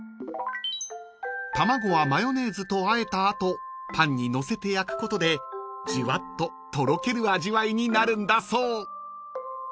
［卵はマヨネーズとあえた後パンにのせて焼くことでじゅわっととろける味わいになるんだそう］